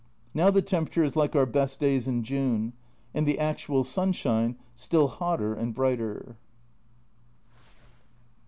Now the temperature is like our best days in June, and the actual sunshine still hotter and brighter.